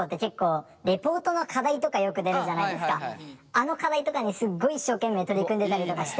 あの課題とかにすっごい一生懸命取り組んでたりとかして。